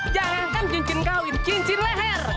jangan kan cincin kawin cincin leher